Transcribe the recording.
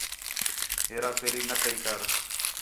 ہیرا پھیری نہ کَئی کر